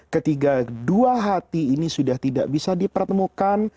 ketika dua hati ini sudah tidak bisa dipertemukan